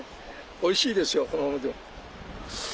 おいしいですよこのままでも。